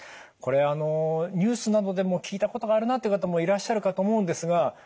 これあのニュースなどでも聞いたことがあるなっていう方もいらっしゃるかと思うんですが